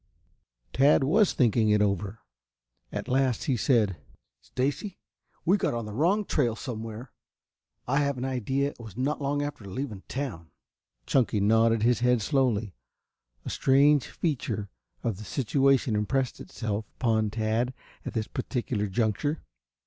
Tad was thinking it over. At last he said: "Stacy, we got on the wrong trail somewhere. I have an idea it was not long after leaving town." Chunky nodded his head slowly. A strange feature of the situation impressed itself upon Tad at this particular juncture.